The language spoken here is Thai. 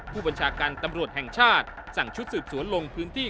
ผู้บัญชาการตำรวจแห่งชาติสั่งชุดสืบสวนลงพื้นที่